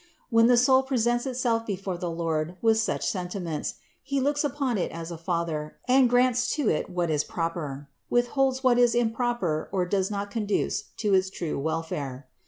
When the soul presents itself before the Lord with such senti ments, He looks upon it as a Father and grants to it what is proper, withholds what is improper or does not conduce to its true welfare.